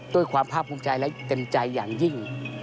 ด้วยความภาพภูมิใจและเต็มใจอย่างยิ่ง